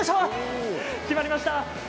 決まりました。